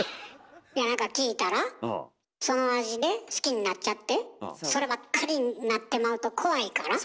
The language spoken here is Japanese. いや何か聞いたらその味で好きになっちゃってそればっかりになってまうと怖いから。